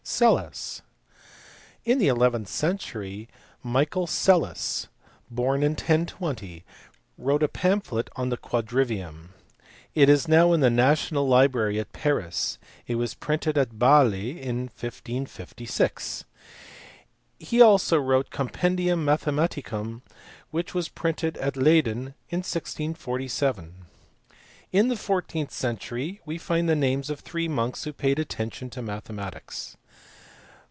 Psellus. In the eleventh century Michael Psellus, born in 1020, wrote a pamphlet on the quadrivium. It is now in the National Library at Paris; it was printed at Bale in 1556. He also wrote a Compendium Mathematicum which was printed at Ley den in 1647. In the fourteenth century we find the names of three monks who paid attention to mathematics.